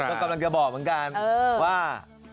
ก็กำลังจะบอกเหมือนกันว่า